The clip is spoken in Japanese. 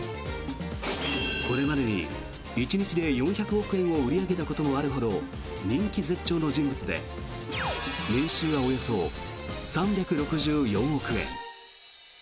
これまでに１日で４００億円を売り上げたこともあるほど人気絶頂の人物で年収はおよそ３６４億円。